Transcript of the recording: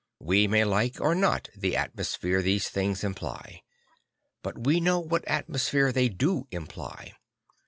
We may like or not the atmo sphere these things imply; but we know what atmosphere they do imply.